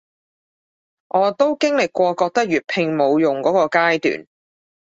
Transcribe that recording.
我都經歷過覺得粵拼冇用箇個階段